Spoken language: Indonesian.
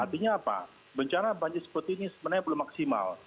artinya apa bencana banjir seperti ini sebenarnya belum maksimal